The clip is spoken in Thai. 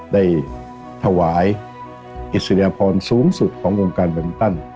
ได้ถวายอิสริยพรสูงสุดของวงการแบมินตัน